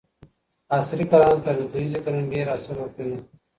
عصري کرنه تر دودیزې کرني ډیر حاصل ورکوي.